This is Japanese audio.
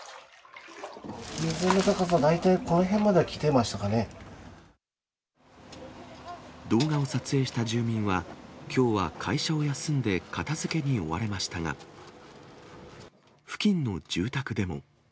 水の高さ、動画を撮影した住民は、きょうは会社を休んで片づけに追われましたが、付近の住宅でも。